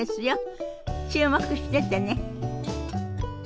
注目しててね。